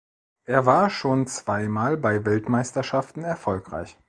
Er war schon zweimal bei Weltmeisterschaften erfolgreich.